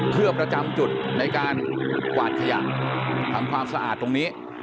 เพื่อประจำจุดในการกวาดขยะทำความสะอาดตรงนี้